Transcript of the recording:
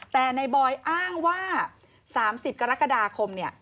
แต่ในบอยอ้างว่า๓๐กรกฎาคม